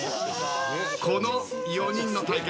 この４人の対決。